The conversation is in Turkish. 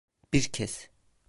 Bir kez.